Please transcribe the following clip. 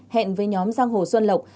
hẹn với nhóm giang hồ xuân lộc